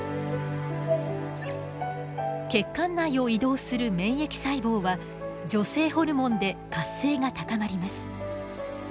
血管内を移動する免疫細胞は女性ホルモンで活性が高まります。